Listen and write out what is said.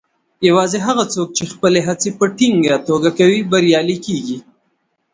یوازې هغه څوک چې خپلې هڅې په ټینګه توګه کوي، بریالي کیږي.